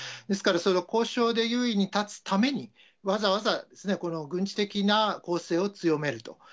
ですから、交渉で優位に立つために、わざわざこの軍事的な攻勢を強めると。